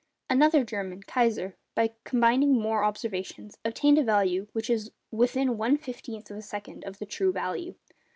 Another German, Kaiser, by combining more observations, obtained a value which is within one fifteenth of a second of the true value.